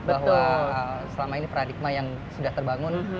bahwa selama ini paradigma yang sudah terbangun